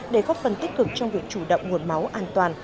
để góp phần tích cực trong việc chủ động nguồn máu an toàn